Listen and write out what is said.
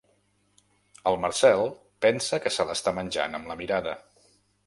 El Marcel pensa que se l'està menjant amb la mirada.